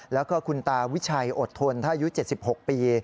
แล้วก็คุณตาวิชัยอดทนถ้าอายุ๗๖ปี